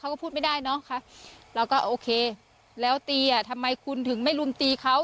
เขาก็พูดไม่ได้เนอะค่ะเราก็โอเคแล้วตีอ่ะทำไมคุณถึงไม่รุมตีเขา